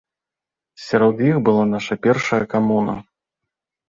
Сярод іх была наша першая камуна.